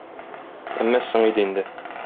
Әмма соң иде инде.